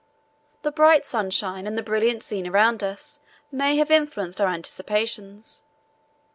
The bright sunshine and the brilliant scene around us may have influenced our anticipations.